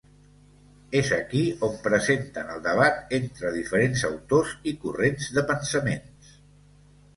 És aquí, on presenten el debat entre diferents autors i corrents de pensaments.